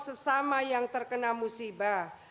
sesama yang terkena musibah